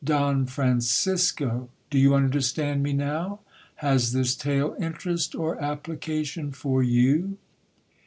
—Don Francisco, do you understand me now?—Has this tale interest or application for you?'